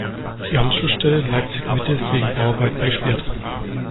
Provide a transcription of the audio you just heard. Die Anschlussstelle Leipzig-Mitte ist wegen Bauarbeiten gesperrt.